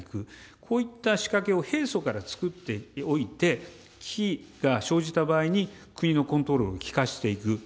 こういった仕掛けを平素から作っておいて、危機が生じた場合に、国のコントロールを利かせていく。